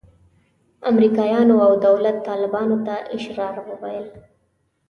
امریکایانو او دولت طالبانو ته اشرار ویل.